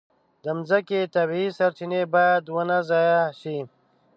د مځکې طبیعي سرچینې باید ونه ضایع شي.